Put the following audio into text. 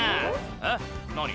「えっ何？